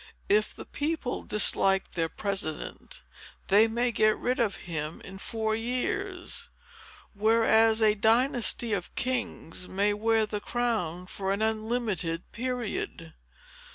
If the people dislike their president, they may get rid of him in four years; whereas, a dynasty of kings may wear the crown for an unlimited period."